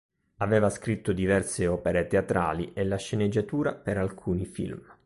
Aveva scritto diverse opere teatrali e la sceneggiatura per alcuni film.